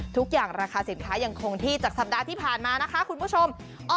ทุกอย่างราคาสินค้ายังคงที่จากสัปดาห์ที่ผ่านมานะคะคุณผู้ชม